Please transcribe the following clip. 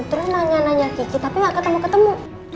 terus nanya nanya kiki tapi gak ketemu ketemu